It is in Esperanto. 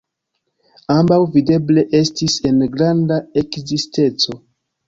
Ambaŭ videble estis en granda eksciteco.